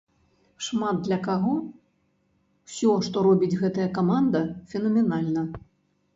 Шмат для каго ўсё, што робіць гэтая каманда, фенаменальна.